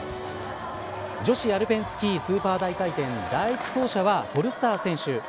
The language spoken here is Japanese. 女子アルペンスキースーパー大回転第１走者はフォルスター選手。